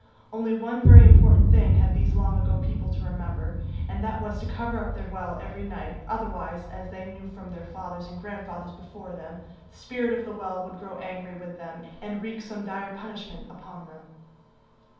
Only one very important thing had these long ago people to remember, and that was to cover up their well every night, otherwise, as they knew from their fathers and grandfathers before them, the spirit of the well would grow angry with them and wreak some dire punishment upon them.